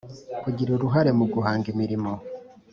Kugira uruhare mu guhanga imirimo